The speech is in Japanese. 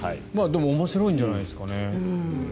でも面白いんじゃないですかね。